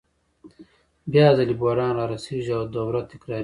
بیا ځلي بحران رارسېږي او دوره تکرارېږي